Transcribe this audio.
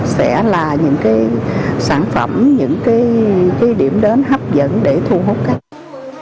sẽ là những sản phẩm những điểm đến hấp dẫn để thu hút các doanh nghiệp